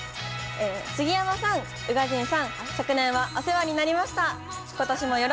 杉山さん、宇賀神さん、昨年はお世話になりました。